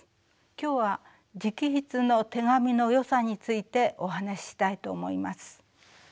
今日は直筆の手紙のよさについてお話ししたいと思います。